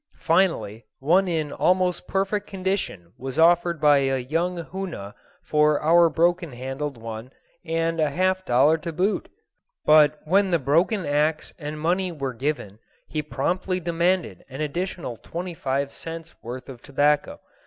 Finally one in almost perfect condition was offered by a young Hoona for our broken handled one and a half dollar to boot; but when the broken axe and money were given he promptly demanded an additional twenty five cents' worth of tobacco.